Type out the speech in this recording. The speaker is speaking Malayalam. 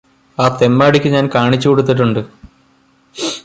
ആ തെമ്മാടിക്ക് ഞാന് കാണിച്ചുകൊടുത്തിട്ടുണ്ട്